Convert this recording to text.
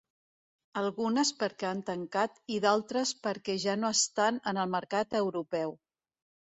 Algunes perquè han tancat i d'altres perquè ja no estan en el mercat europeu.